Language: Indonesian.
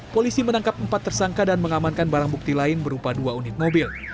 polisi menangkap empat tersangka dan mengamankan barang bukti lain berupa dua unit mobil